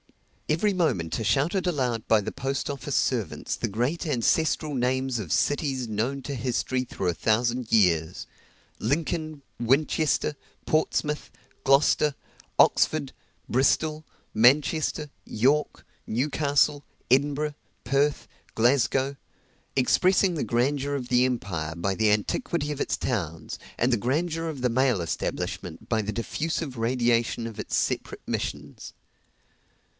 Every moment are shouted aloud by the post office servants the great ancestral names of cities known to history through a thousand years, Lincoln, Winchester, Portsmouth, Gloucester, Oxford, Bristol, Manchester, York, Newcastle, Edinburgh, Perth, Glasgow expressing the grandeur of the empire by the antiquity of its towns, and the grandeur of the mail establishment by the diffusive radiation of its separate missions.